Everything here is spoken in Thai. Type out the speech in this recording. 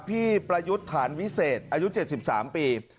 พี่ประยุทธ์ฐานวิเศษอายุ๗๓ปี